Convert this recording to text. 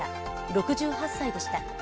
６８歳でした。